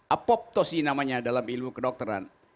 apoptosi namanya dalam ilmu kedokteran